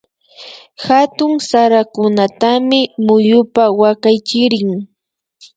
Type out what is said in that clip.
Hatun sarakunatami muyupa wakaychirin